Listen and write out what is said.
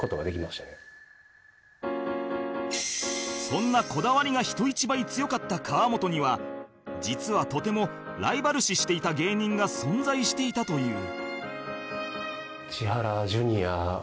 そんなこだわりが人一倍強かった河本には実はとてもライバル視していた芸人が存在していたという